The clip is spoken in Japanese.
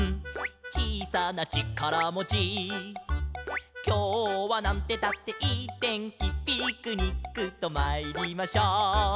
「ちいさなちからもち」「きょうはなんてったっていいてんき」「ピクニックとまいりましょう」